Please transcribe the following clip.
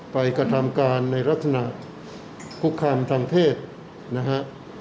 กระทำการในลักษณะคุกคามทางเพศนะฮะ